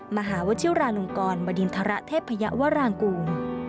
มหาวจิวรานุงกรมดินทรเทพพยาวรางกลุ่ม